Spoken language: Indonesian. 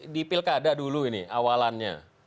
di pilkada dulu ini awalannya